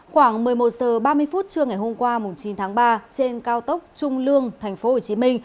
khoảng một mươi một h ba mươi phút trưa ngày hôm qua chín tháng ba trên cao tốc trung lương tp hcm